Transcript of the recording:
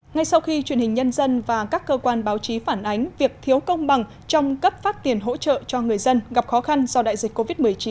ngay sau khi truyền hình nhân dân và các cơ quan báo chí phản ánh việc thiếu công bằng trong cấp phát tiền hỗ trợ cho người dân gặp khó khăn do đại dịch covid một mươi chín